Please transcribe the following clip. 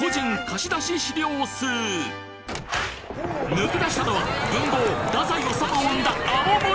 抜け出したのは文豪・太宰治を生んだ青森。